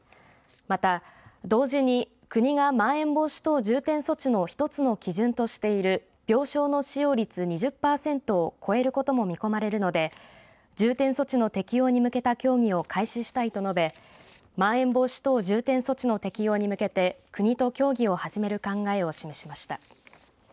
また、同時に国がまん延防止等重点措置の１つの基準としている病床の使用率２０パーセントを超えることも見込まれるので重点措置の適用に向けた協議を開始したいと述べまん延防止等重点措置の適用に向けて国と協議を始める考えを示しました。